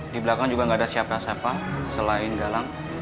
di belakang juga enggak ada siapa siapa selain galang